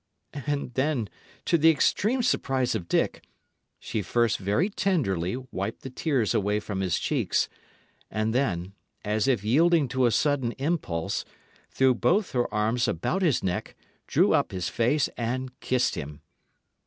And then, to the extreme surprise of Dick, she first very tenderly wiped the tears away from his cheeks, and then, as if yielding to a sudden impulse, threw both her arms about his neck, drew up his face, and kissed him.